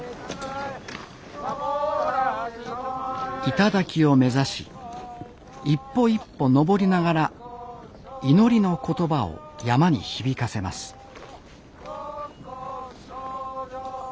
頂を目指し一歩一歩登りながら祈りの言葉を山に響かせます六根清浄。